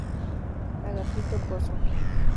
Agapito Pozo.